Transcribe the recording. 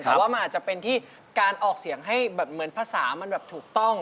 แต่ว่ามันอาจจะเป็นที่การออกเสียงให้แบบเหมือนภาษามันแบบถูกต้อง